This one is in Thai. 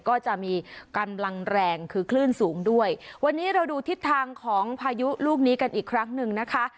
ก็จะมีกำลังแรงคือคลื่นสูงด้วยวันนี้เราดูทิศทางของพายุลูกนี้กันอีกครั้งหนึ่งนะคะ